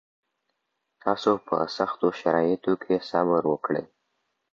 تاسو په سختو شرایطو کي صبر وکړ.